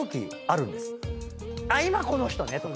「今この人ね！とか」